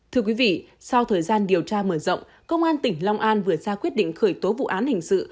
thưa quý vị sau thời gian điều tra mở rộng công an tỉnh long an vừa ra quyết định khởi tố vụ án hình sự